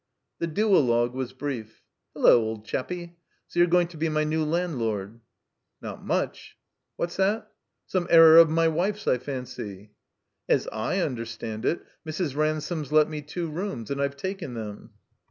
The duologue was brief. '' Hello, old chappy. So you're going to be my new landlord?" 'Not muchr "What's that?'* "Some error of my wife's, I fancy." "As / understand it Mrs. Ransome's let me two rooms, and I've taken them."